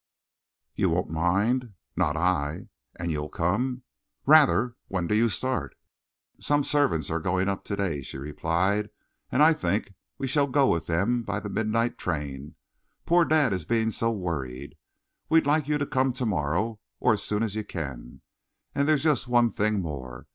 "You won't mind?" "Not I!" "And you'll come?" "Rather! When do you start?" "Some servants are going up to day," she replied, "and I think we shall go with them by the midnight train. Poor dad is being so worried. We'd like you to come to morrow, or as soon as you can. And there's just one thing more.